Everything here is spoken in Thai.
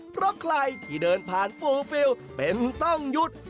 เพราะใครที่เดินผ่านฟูฟิลเป็นต้องหยุด